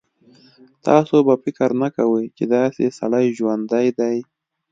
تاسو به فکر نه کوئ چې داسې سړی ژوندی دی.